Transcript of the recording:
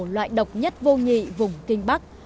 loại độc nhất vô nhị vùng kinh bắc